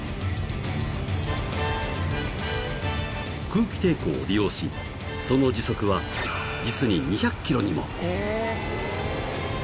［空気抵抗を利用しその時速は実に２００キロにも］